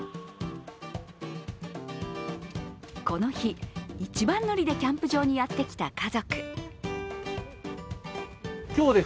この日、一番乗りでキャンプ場にやってきた家族。